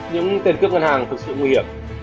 những tên cướp ngân hàng thực sự nguy hiểm